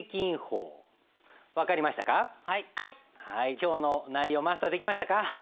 今日の内容マスターできましたか？